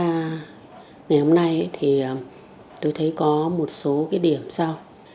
và ngày hôm nay tôi thấy có một số điểm sau